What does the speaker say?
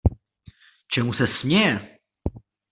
Čemu se směje?